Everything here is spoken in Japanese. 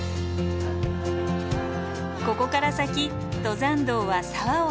ここから先登山道は沢を離れ尾根へ。